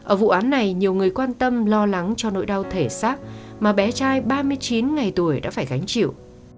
ở vụ án này nhiều người quan tâm lo lắng cho nỗi đau thể xác mà bé trai ba mươi chín ngày tuổi đã phải gánh chịu